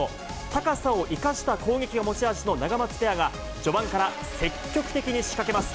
高さを生かした攻撃が持ち味のナガマツペアが、序盤から積極的に仕掛けます。